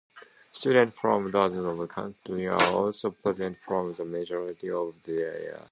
Students from dozens of countries are also present for the majority of the year.